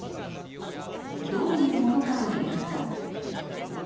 どういうものかというと。